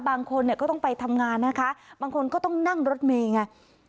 บางคนเนี่ยก็ต้องไปทำงานนะคะบางคนก็ต้องนั่งรถเมย์ไง